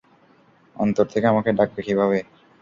অন্তর থেকে আমাকে ডাকবে কিভাবে?